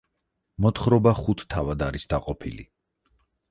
მოთხრობა ხუთ თავად არის დაყოფილი.